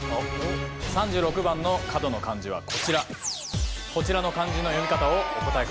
３６番の角の漢字はこちらこちらの漢字の読み方をお答え